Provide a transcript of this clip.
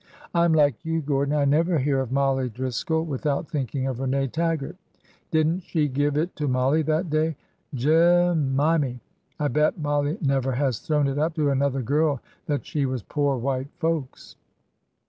I 'm like you, Gordon. I never hear of Mollie Dris coll without thinking of Rene Taggart. Did n't she give it to Mollie that day! Je wfmy! I bet Mollie never has thrown it up to another girl that she was poor white folks!"